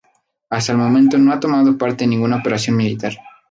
Hasta el momento no ha tomado parte en ninguna operación militar.